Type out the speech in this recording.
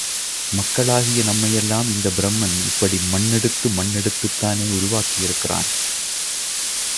மக்களாகிய நம்மை யெல்லாம் இந்தப் பிரமன் இப்படி மண்ணெடுத்து மண் எடுத்துத்தானே உருவாக்கியிருக்கிறான்!